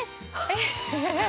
えっ！